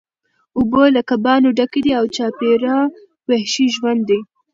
اوبه له کبانو ډکې دي او چاپیره وحشي ژوند دی